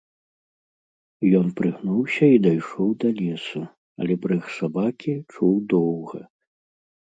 Ён прыгнуўся і дайшоў да лесу, але брэх сабакі чуў доўга.